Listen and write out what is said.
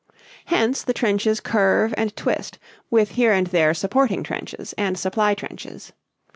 Hence the trenches curve and twist, with here and there supporting trenches and supply trenches.